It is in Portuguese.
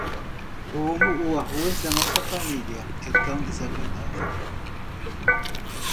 Como o arroz da nossa família é tão desagradável?